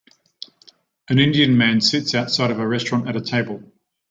An indian man sits outside of a restaurant at a table.